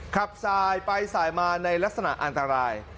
ขับสายไปสายมาในลักษณะอันตราย